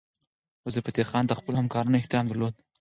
وزیرفتح خان د خپلو همکارانو احترام درلود.